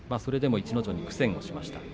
逸ノ城に苦戦しました。